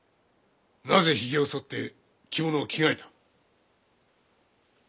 なぜひげをそって着物を着替えた？